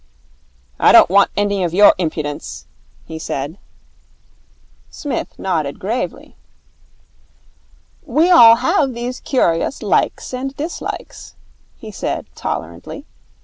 'I don't want any of your impudence,' he said. Psmith nodded gravely. 'We all have these curious likes and dislikes,' he said tolerantly.